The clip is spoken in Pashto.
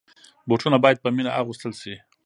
بوټونه باید په مینه اغوستل شي.